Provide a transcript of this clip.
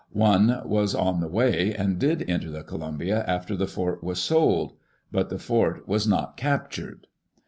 One was on the way, and did enter the Columbia after the fort was sold. But the fort was not captured.